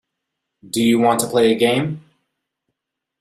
Do you want to play a game.